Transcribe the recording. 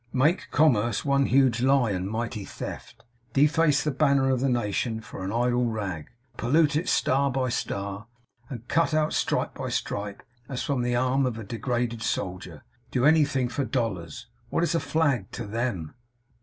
Make commerce one huge lie and mighty theft. Deface the banner of the nation for an idle rag; pollute it star by star; and cut out stripe by stripe as from the arm of a degraded soldier. Do anything for dollars! What is a flag to THEM!